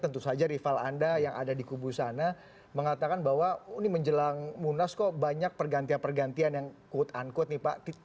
tentu saja rival anda yang ada di kubu sana mengatakan bahwa ini menjelang munas kok banyak pergantian pergantian yang quote unquote nih pak